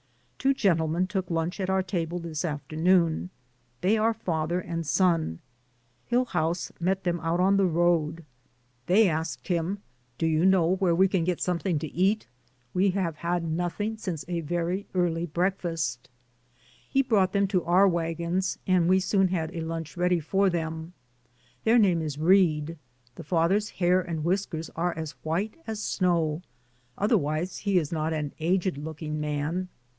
Two gentlemen took lunch at our table DAYS ON THE ROAD. 97 this afternoon ; they are father and son. Hill house met them out on the road ; they asked him, "Do you know where we can get some thing to eat ? We have had nothing since a very early breakfast." He brought them to our wagons, and we soon had a lunch ready for them. Their name is Reade, the father's hair and whiskers are as white as snow, otherwise he is not an aged looking man.